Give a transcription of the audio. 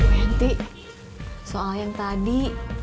nanti soal yang tadi